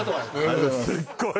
すっごい